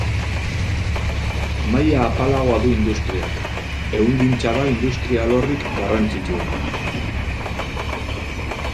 Maila apalagoa du industriak; ehungintza da industria-alorrik garrantzitsuena.